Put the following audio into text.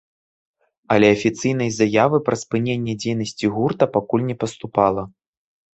Але афіцыйнай заявы пра спыненне дзейнасці гурта пакуль не паступала.